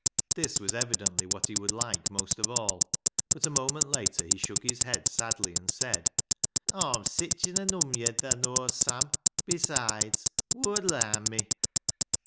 This was evidently what he would like most of all, but a moment later he shook his head sadly and said —" Aw'm sitchen a numyed, thaa knows, Sam ; besides, whoa'd larn me